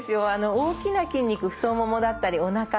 大きな筋肉太ももだったりおなか背中